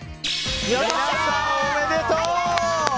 おめでとう！